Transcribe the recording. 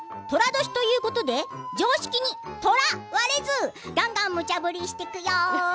トラ年ということで常識にとらわれずがんがん、むちゃ振りしていくよ。